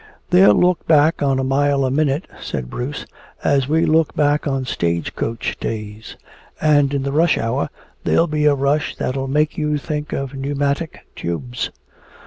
"They'll look back on a mile a minute," said Bruce, "as we look back on stage coach days! And in the rush hour there'll be a rush that'll make you think of pneumatic tubes!